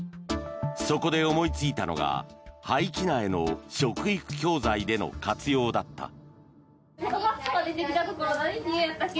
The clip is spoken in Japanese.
そこで思いついたのは廃棄苗の食育教材での活用だった。